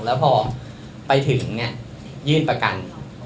แล้วพอไปถึงยื่นประกัน